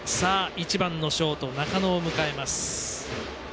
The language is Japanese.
１番、ショート中野を迎えます。